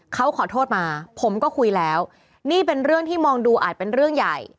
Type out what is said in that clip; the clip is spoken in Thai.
เขาขอโทษมาผมก็คุยแล้วนี่เป็นเรื่องที่มองดูอาจเป็นเรื่องใหญ่